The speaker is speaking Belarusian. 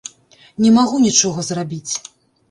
Не магу нічога зрабіць!